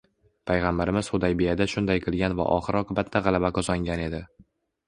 Payg‘ambarimiz Hudaybiyada shunday qilgan va oxir-oqibatda g‘alaba qozongan edi